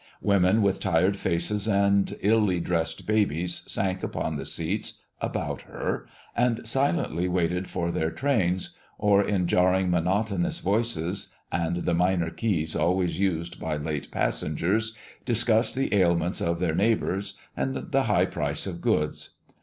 Women with tired faces and illy dressed babies sank upon the seats about her and silently waited for their trains, or in jarring, monotonous voices, and the minor keys always used by late passengers, discussed the ailments of their neighbors and the high price of goods.